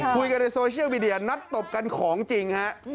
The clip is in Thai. คุยกันในโซเชียลมีเดียนัดตบกันของจริงฮะ